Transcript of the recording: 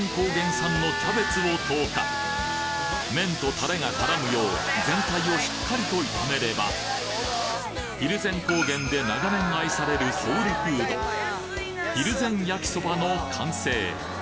産のキャベツを投下麺とタレが絡むよう全体をしっかりと炒めれば蒜山高原で長年愛されるソウルフードひるぜん焼そばの完成！